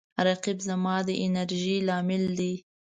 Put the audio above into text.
رقیب زما د انرژۍ لامل دی